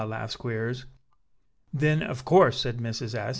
laughed Squeers. "Then, of course," said Mrs. S.